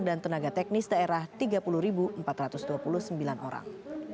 dan tenaga teknis daerah tiga puluh empat ratus dua puluh sembilan orang